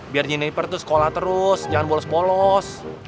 biar jenai pertu sekolah terus jangan bolos polos